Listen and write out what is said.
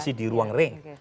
masih di luar oke